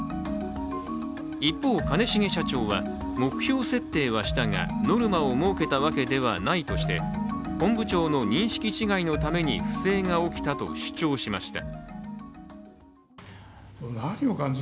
一方、兼重社長は、目標設定はしたがノルマを設けたわけではないとして本部長の認識違いのために不正が起きたと主張しました。